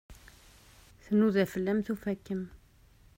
Tnuda fell-am, tufa-kem.